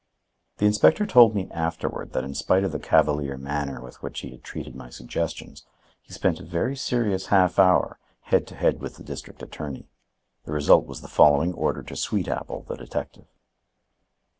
The inspector told me afterward that, in spite of the cavalier manner with which he had treated my suggestions, he spent a very serious half hour, head to head with the district attorney. The result was the following order to Sweetwater, the detective.